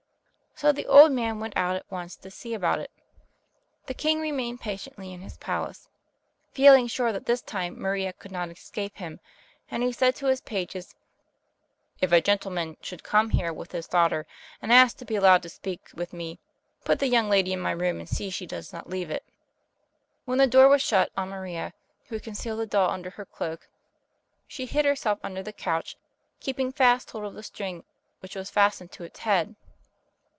'" So the old man went out at once to see about it. The king remained patiently in his palace, feeling sure that this time Maria could not escape him; and he said to his pages, "If a gentleman should come here with his daughter and ask to be allowed to speak with me, put the young lady in my room and see she does not leave it." When the door was shut on Maria, who had concealed the doll under her cloak, she hid herself under the couch, keeping fast hold of the string which was fastened to its head.